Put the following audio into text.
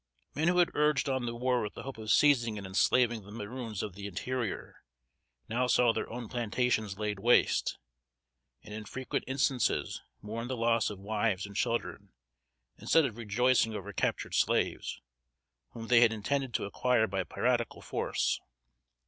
Men who had urged on the war with the hope of seizing and enslaving the maroons of the interior, now saw their own plantations laid waste, and in frequent instances mourned the loss of wives and children, instead of rejoicing over captured slaves, whom they had intended to acquire by piratical force.